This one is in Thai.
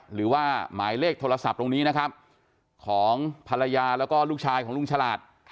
หรือว่าหมายเลขโทรศัพท์ตรงนี้นะครับของภรรยาแล้วก็ลูกชายของลุงฉลาด